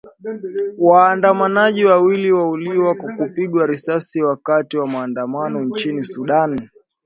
Waandamanaji wawili waliuawa kwa kupigwa risasi wakati wa maandamano nchini Sudan